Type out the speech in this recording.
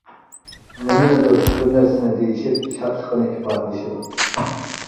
نېمىنىدۇر بىر نەرسىنى دېيىشىپ، شادلىقىنى ئىپادىلىشىدۇ.